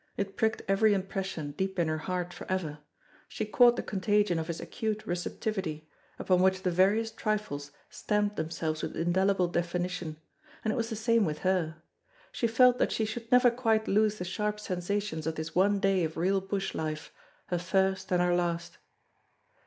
It pricked every impression deep in her heart for ever; she caught the contagion of his acute receptivity, upon which the veriest trifles stamped themselves with indelible definition; and it was the same with her. She felt that she should never quite lose the sharp sensations of this one day of real bush life, her first and her last.